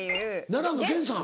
奈良の玄さん。